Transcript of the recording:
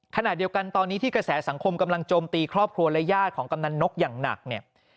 ขณะเดียวกันตอนนี้ที่กระแสสังคมกำลังโจมตีครอบครัวและญาติของกำนันนกอย่างหนักเนี่ย